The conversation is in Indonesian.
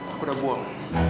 aku udah buang